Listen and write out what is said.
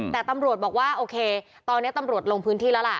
แต่ตำรวจบอกว่าโอเคตอนนี้ตำรวจลงพื้นที่แล้วล่ะ